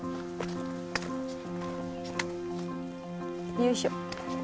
よいしょ。